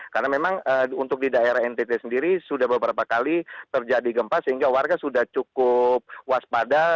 karena memang untuk di daerah ntt sendiri sudah beberapa kali terjadi gempa sehingga warga sudah cukup waspada